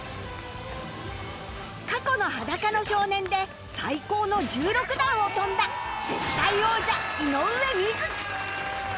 過去の『裸の少年』で最高の１６段を跳んだ絶対王者井上瑞稀